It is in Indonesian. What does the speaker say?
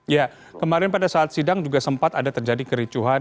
ya kemarin pada saat sidang juga sempat ada terjadi kericuhan